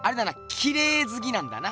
きれいずきなんだな。